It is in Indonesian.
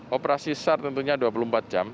operasi sar tentunya dua puluh empat jam